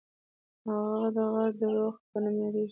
هغه غر د رُخ په نوم یادیږي.